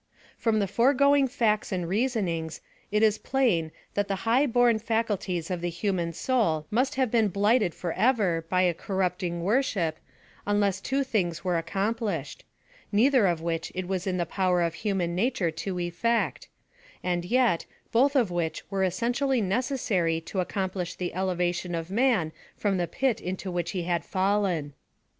Prom the foregoing facts and reasonings, it is plain, that the high born faculties of the human soul must have been blighted forever, by a corrupt ing worship, unless two things were accomplished ; neither of which it was in the power of human na ture to effect : and, yet, both of which were essen tially necessary to accomplish the elevation of man from the pit into which he had fallen.